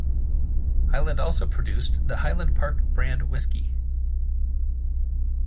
Highland also produced the Highland Park brand whisky.